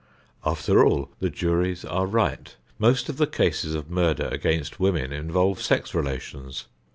After all, the juries are right. Most of the cases of murder against women involve sex relations.